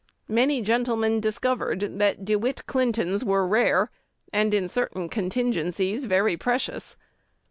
Many gentlemen discovered that De Witt Clintons were rare, and in certain contingencies very precious.